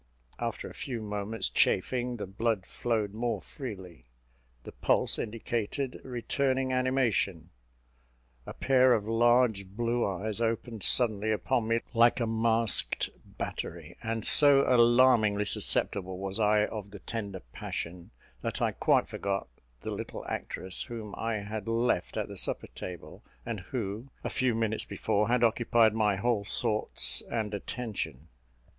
After a few moments' chafing, the blood flowed more freely; the pulse indicated returning animation; a pair of large blue eyes opened suddenly upon me like a masked battery; and so alarmingly susceptible was I of the tender passion, that I quite forgot the little actress whom I had left at the supper table, and who, a few minutes before, had occupied my whole thoughts and attention.